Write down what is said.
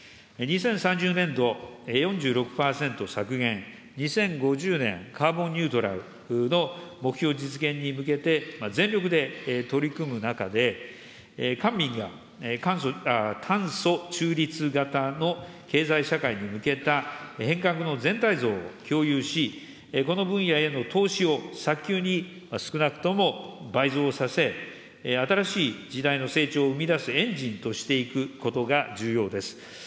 ２０３０年度、４６％削減、２０５０年、カーボンニュートラルの目標実現に向けて、全力で取り組む中で、官民が炭素中立型の経済社会に向けた変革の全体像を共有し、この分野への投資を早急に少なくとも倍増させ、新しい時代の成長を生み出すエンジンとしていくことが重要です。